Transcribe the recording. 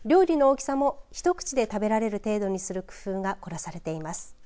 料理の大きさも一口で食べられる程度にする工夫が凝らされています。